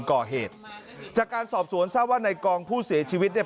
ก่อเหตุจากการสอบสวนทราบว่าในกองผู้เสียชีวิตเนี่ย